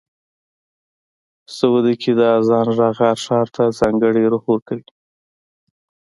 سعودي کې د اذان غږ هر ښار ته ځانګړی روح ورکوي.